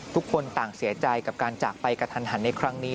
ทุกคนต่างเสียใจกับการจากไปกระทันหันในครั้งนี้